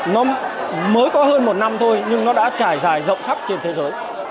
nó mới có hơn một năm thôi nhưng nó đã trải dài rộng khắp trên thế giới